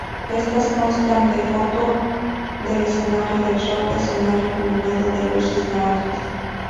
Estas constan de una foto del escenario del show, escenario iluminado de luces naranjas.